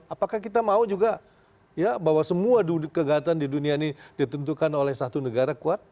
apakah kita mau juga ya bahwa semua kegiatan di dunia ini ditentukan oleh satu negara kuat